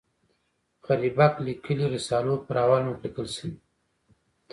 غریبک لیکلي رسالو پر اول مخ لیکل شوي.